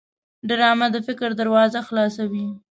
ډرامه د فکر دروازه خلاصوي